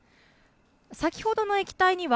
先ほどの液体には、